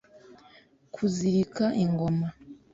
kuzirika ingoma ,